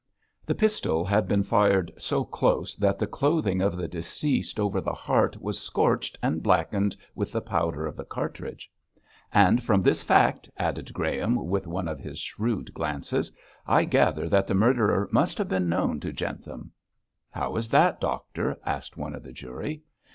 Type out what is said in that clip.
The pistol had been fired so close that the clothing of the deceased over the heart was scorched and blackened with the powder of the cartridge. 'And from this fact,' added Graham, with one of his shrewd glances, 'I gather that the murderer must have been known to Jentham!' 'How is that, doctor?' asked one of the jury.